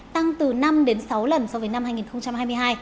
tăng từ năm đến sáu lần so với năm hai nghìn hai mươi hai